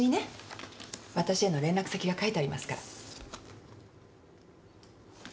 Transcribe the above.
わたしへの連絡先が書いてありますから。